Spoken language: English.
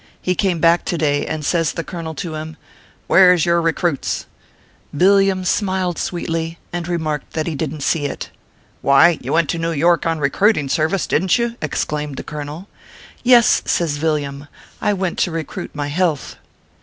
He came back to day, and says the colonel to him :" Where s your recruits ?" Villiam smiled sweetly, and remarked that he didn t see it. " Why, you went to New York on recruiting ser vice, didn t you ?" exclaimed the colonel. "Yes," says Villiam, "I went to recruit my health."